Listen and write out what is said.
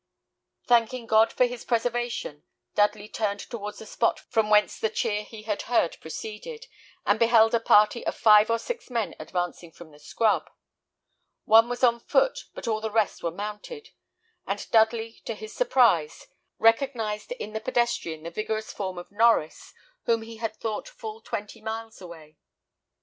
Thanking God for his preservation, Dudley turned towards the spot from whence the cheer he had heard proceeded, and beheld a party of five or six men advancing from the scrub. One was on foot, but all the rest were mounted; and Dudley, to his surprise, recognised in the pedestrian the vigorous form of Norries, whom he had thought full twenty miles away.